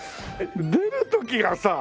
出る時がさ